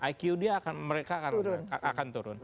iq dia akan turun